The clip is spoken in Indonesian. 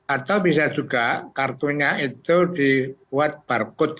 atau bisa juga kartunya itu dibuat barcode itu ya